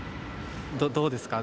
どうですか？